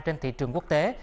trên thị trường quốc tế